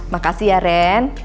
makasih ya ren